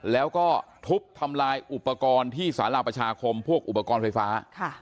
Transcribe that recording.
แล้วก็ทุบทำลายอุปกรณ์ที่สาราประชาคมพวกอุปกรณ์ไฟฟ้า